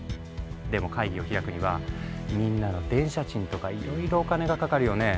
でも会議を開くにはみんなの電車賃とかいろいろお金がかかるよねえ。